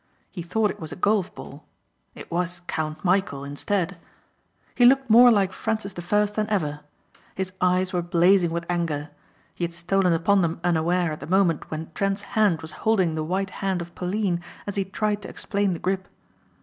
He thought it was a golf ball. It was Count Michæl instead. He looked more like Francis the First than ever. His eyes were blazing with anger. He had stolen upon them unaware at a moment when Trent's hand was holding the white hand of Pauline as he tried to explain the grip.